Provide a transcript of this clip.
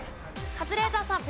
カズレーザーさん。